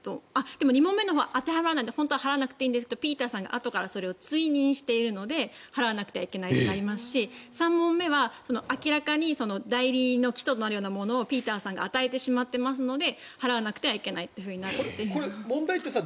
でも２問目のほうは当てはまらないのでいいですとピーターさんがあとからそれを追認しているので払わなくてはならないとなりますし３問目は明らかに代理の基礎となるようなものをピーターさんが与えてしまっているので払わなくてはいけないとなるという。